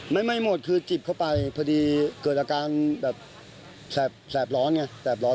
ไม่หมดคือจิบเข้าไปพอดีเกิดอาการแบบแสบร้อนไงแบร้อน